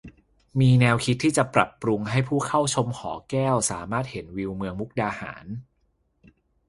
มีแนวคิดที่จะปรับปรุงให้ผู้เข้าชมหอแก้วสามารถเห็นวิวเมืองมุกดาหาร